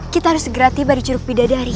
kita harus segera tiba di curug bidadari